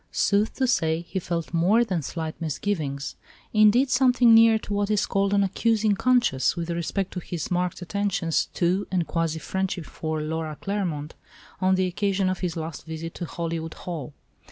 Sooth to say, he felt more than slight misgivings; indeed, something near to what is called an accusing conscience, with respect to his marked attentions to and quasi friendship for Laura Claremont on the occasion of his last visit to Hollywood Hall.